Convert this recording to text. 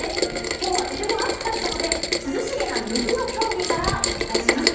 今日はとても暑かったので涼しげな水の競技からお伝えします。